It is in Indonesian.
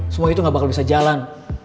semua itu gak bakal bisa jalan